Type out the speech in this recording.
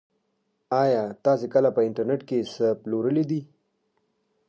ایا تاسي کله په انټرنيټ کې څه پلورلي دي؟